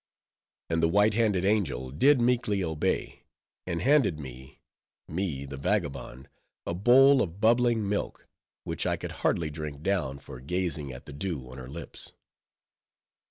And the white handed angel did meekly obey, and handed me—me, the vagabond, a bowl of bubbling milk, which I could hardly drink down, for gazing at the dew on her lips.